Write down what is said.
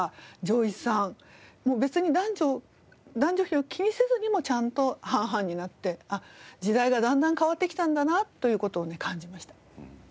もう別に男女比を気にせずにもちゃんと半々になって時代がだんだん変わってきたんだなという事を感じました。